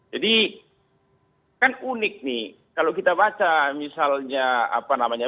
jadi kan unik nih kalau kita baca misalnya apa namanya